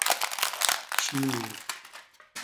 چیمی